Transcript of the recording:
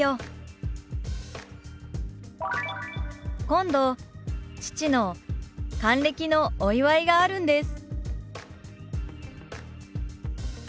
「今度父の還暦のお祝いがあるんです」。